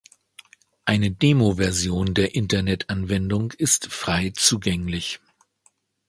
Eine Demo-Version der Internet-Anwendung ist frei zugänglich.